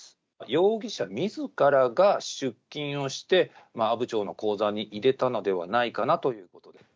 容疑者みずからが出金をして、阿武町の口座に入れたのではないかなということです。